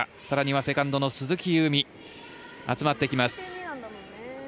さらにはセカンドの鈴木夕湖集まってきます。